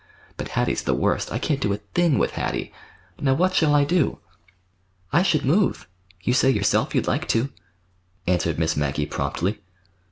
But Hattie's the worst. I can't do a thing with Hattie. Now what shall I do?" "I should move. You say yourself you'd like to," answered Miss Maggie promptly.